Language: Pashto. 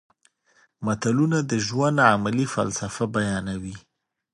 متلونه د ژوند عملي فلسفه بیانوي